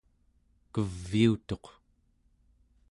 keviutuq